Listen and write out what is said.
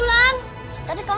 ya aku mau makan